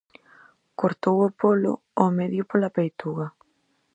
Cortou o polo ao medio pola peituga.